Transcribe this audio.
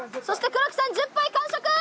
そして黒木さん１０杯完食。